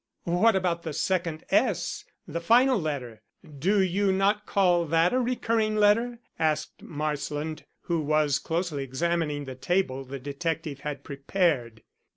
"What about the second S the final letter? Do you not call that a recurring letter?" asked Marsland, who was closely examining the table the detective had prepared.